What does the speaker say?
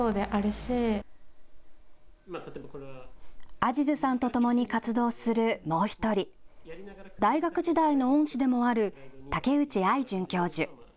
アジズさんとともに活動するもう１人、大学時代の恩師でもある竹内愛准教授。